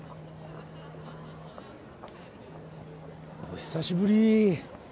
お久しぶり。